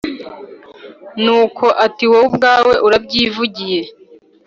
Nuko ati wowe ubwawe urabyivugiye